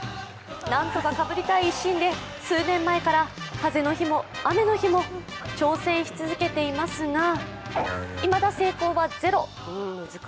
なんとかかぶりたい一心で、数年前から風の日も雨の日も挑戦し続けていますが、いまだ成功はゼロ。